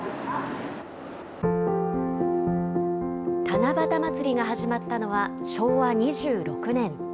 七夕まつりが始まったのは昭和２６年。